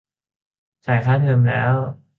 จ่ายค่าเทอมแล้ว